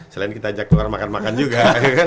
selain kita ajak keluar makan makan juga